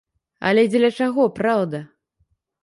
Але дзеля чаго праўда?